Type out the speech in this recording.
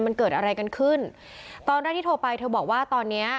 มันเกิดอะไรกันขึ้นตอนแรกที่โทรไปเธอบอกว่าตอนเนี้ย